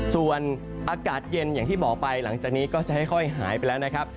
ส่วนอากาศเย็นอย่างที่บอกไปหลังจากนี้ก็จะค่อยหายไปแล้วนะครับ